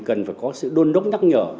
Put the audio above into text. cần phải có sự đôn đốc nhắc nhở